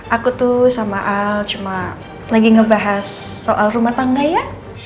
aku tuh sama al cuma lagi ngebahas soal rumah tangga ya